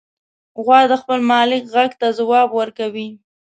غوا د خپل مالک غږ ته ځواب ورکوي.